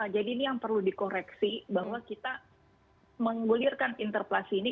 jadi ini yang perlu dikoreksi bahwa kita menggulirkan interpelasi ini